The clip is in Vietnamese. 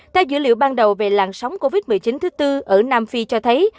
theo dữ liệu ban đầu về làn sóng covid một mươi chín thứ tư ở nam phi cho thấy